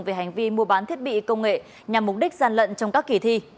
về hành vi mua bán thiết bị công nghệ nhằm mục đích gian lận trong các kỳ thi